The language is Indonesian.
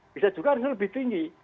bisa juga harusnya lebih tinggi